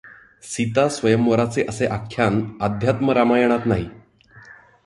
सीता स्वयंवराचे असे आख्यान अध्यात्म रामायणात नाही.